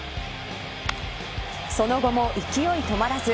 その後も勢い止まらず